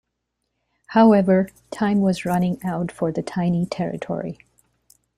However, time was running out for the tiny territory.